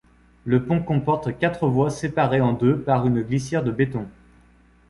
Le pont comporte quatre voies séparées en deux par une glissière de béton.